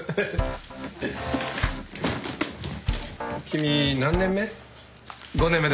君何年目？